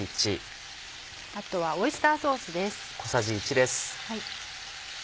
あとはオイスターソースです。